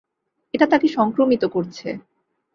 এটা তাকে সংক্রমিত করছে।